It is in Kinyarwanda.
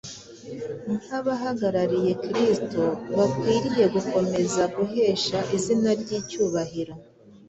Nk’abahagarariye Kristo, bakwiriye gukomeza guhesha izina rye icyubahiro.